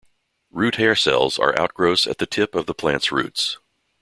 Root hair cells are outgrowths at a tip of the plant's roots.